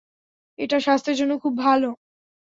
এটা স্বাস্থ্যের জন্য খুব ভাল!